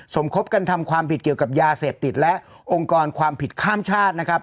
สมคบกันทำความผิดเกี่ยวกับยาเสพติดและองค์กรความผิดข้ามชาตินะครับ